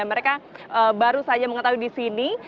mereka baru saja mengetahui di sini dan di sana